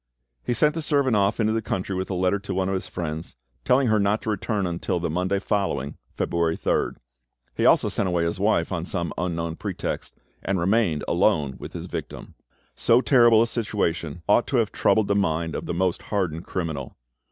He sent the servant off into the country with a letter to one of his friends, telling her not to return until the Monday following, February 3rd. He also sent away his wife, on some unknown pretext, and remained alone with his victim. So terrible a situation ought to have troubled the mind of the most hardened criminal.